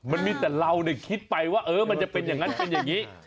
มันมีแต่เราคิดไปว่ามันจะเป็นอย่างนั้นเป็นอย่างนี้